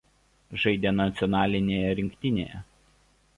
Žaidė nacionalinėje rinktinėje.